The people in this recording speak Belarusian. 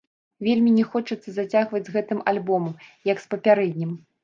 Вельмі не хочацца зацягваць з гэтым альбомам, як з папярэднім.